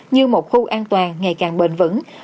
như một khu an toàn ngày càng bền vững